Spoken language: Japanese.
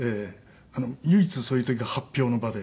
唯一そういう時が発表の場で。